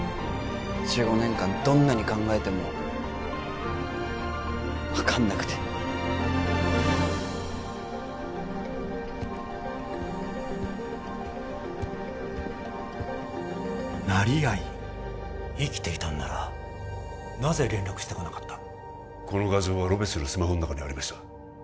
１５年間どんなに考えても分かんなくて成合生きていたんならなぜ連絡してこなかったこの画像はロペスのスマホの中にありました